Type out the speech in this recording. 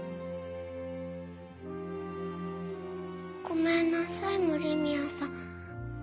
ごめんなさい森宮さん。